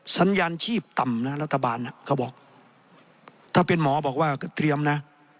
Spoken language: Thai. สัญญาณชีพต่ำนะรัฐบาลเขาบอกถ้าเป็นหมอบอกว่าก็เตรียมนะ